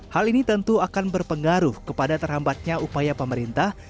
hal ini tentu akan berpengaruh kepada terhambatnya upaya pemerintah